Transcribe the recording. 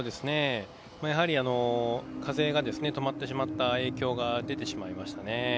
やはり風が止まってしまった影響が出てしまいましたね。